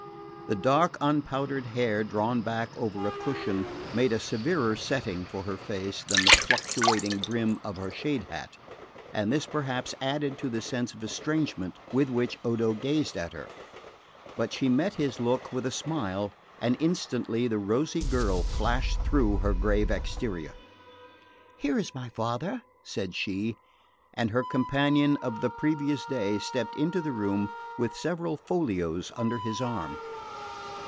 The dark unpowdered hair drawn back over a cushion made a severer setting for her face than the fluctuating brim of her shade hat; and this perhaps added to the sense of estrangement with which Odo gazed at her; but she met his look with a smile, and instantly the rosy girl flashed through her grave exterior. "Here is my father," said she; and her companion of the previous day stepped into the room with several folios under his arm.